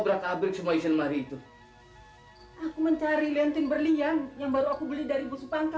aku mencari liantin berlian yang baru aku beli dari ibu supangka